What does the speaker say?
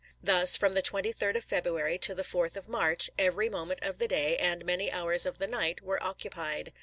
Thus, i86i. from the 23d of February to the 4th of March, every moment of the day and many hours of the night were occupied.